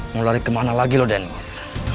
mau lari kemana lagi loh dennis